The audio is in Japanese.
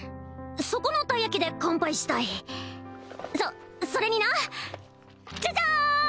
そこのたい焼きで乾杯したいそそれになじゃじゃーん！